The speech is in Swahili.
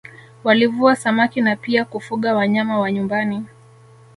Walivua samaki na pia kufuga wanyama wa nyumbani